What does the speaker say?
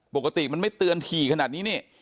ปกติมันไม่เตือนถี่ขนาดนี้นี่